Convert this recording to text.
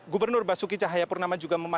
gubernur basuki cahayapurnama juga